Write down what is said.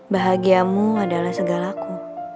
bahagiamu adalah segalaku